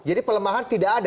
jadi pelemahan tidak ada